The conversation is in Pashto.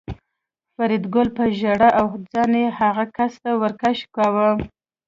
فریدګل په ژړا و او ځان یې هغه کس ته ور کش کاوه